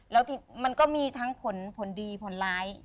แล้วมันก็มีจากมามีทั้งผลดีผลร้าย